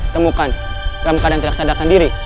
temukan keramkadan teraksadakan diri